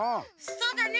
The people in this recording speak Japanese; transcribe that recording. そうだね。